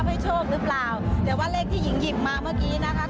ได้ให้แฟนบันเทิงไทยรัฐไปแล้ว